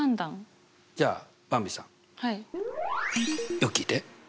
よく聞いて。